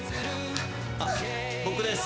あっ僕です。